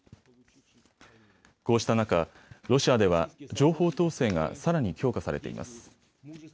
こうした中、ロシアでは情報統制がさらに強化されています。